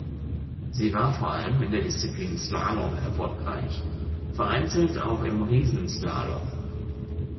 Sie war vor allem in der Disziplin Slalom erfolgreich, vereinzelt auch im Riesenslalom.